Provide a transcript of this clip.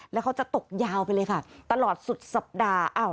แล้วเขาจะตกยาวไปเลยค่ะตลอดสุดสัปดาห์